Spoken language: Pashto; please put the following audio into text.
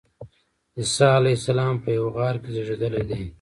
عیسی علیه السلام په یوه غار کې زېږېدلی دی.